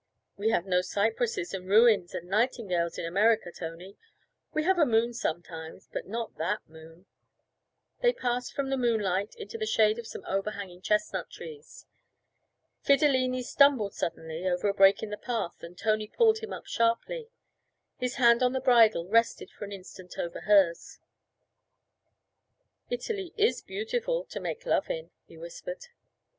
'We have no cypresses and ruins and nightingales in America, Tony. We have a moon sometimes, but not that moon.' They passed from the moonlight into the shade of some overhanging chestnut trees. Fidilini stumbled suddenly over a break in the path and Tony pulled him up sharply. His hand on the bridle rested for an instant over hers. 'Italy is beautiful to make love in,' he whispered.